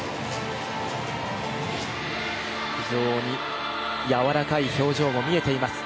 非常にやわらかい表情も見えています。